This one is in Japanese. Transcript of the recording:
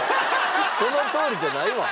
「そのとおり」じゃないわ！